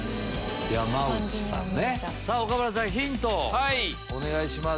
さぁ岡村さんヒントをお願いします。